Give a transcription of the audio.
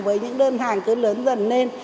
với những đơn hàng cứ lớn dần lên